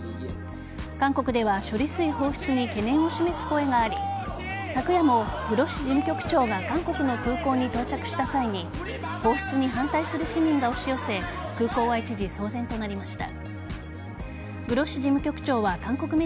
韓国では処理水放出に懸念を示す声があり昨夜もグロッシ事務局長が韓国の空港に到着した際に放出に反対する市民が押し寄せ空港は一時騒然となりました。